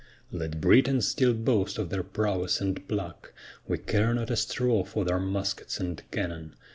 Let Britons still boast of their prowess and pluck; We care not a straw for their muskets and cannon.